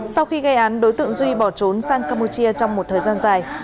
sau khi gây án đối tượng duy bỏ trốn sang campuchia trong một thời gian dài